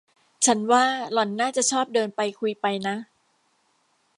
ฉันว่าหล่อนน่าจะชอบเดินไปคุยไปนะ